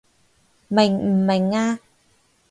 明唔明啊？